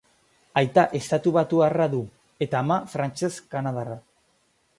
Aita estatubatuarra du, eta ama frantses-kanadarra.